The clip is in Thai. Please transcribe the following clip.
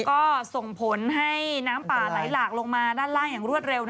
ก็ส่งผลให้น้ำป่าไหลหลากลงมาด้านล่างอย่างรวดเร็ว